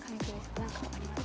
何かありますか？